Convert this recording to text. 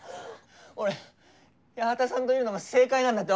俺八幡さんといるのが正解なんだって分かってる。